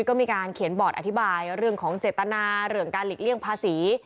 ก็มีการเขียนบอร์ดอธิบายเรื่องของเจตนาเรื่องการหลีกเลี่ยงภาษี